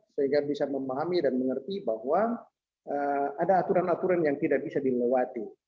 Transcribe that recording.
sehingga bisa memahami dan mengerti bahwa ada aturan aturan yang tidak bisa dilewati